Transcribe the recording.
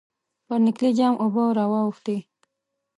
پر نکلي جام اوبه را واوښتې.